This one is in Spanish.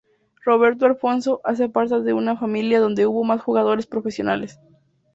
Roberto Alfonso, hace parte de una familia donde hubo más jugadores profesionales.